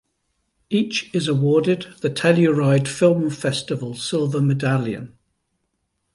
Each is awarded the Telluride Film Festival Silver Medallion.